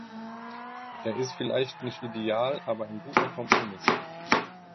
Er ist vielleicht nicht ideal, aber ein guter Kompromiss.